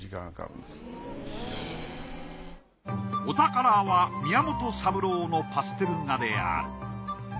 お宝は宮本三郎のパステル画である。